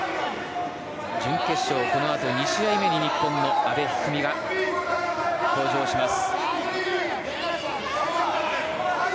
準決勝、このあと２試合目に日本の阿部一二三が登場します。